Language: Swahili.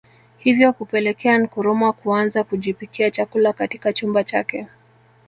Hivyo kupelekea Nkrumah kuanza kujipikia chakula katika chumba chake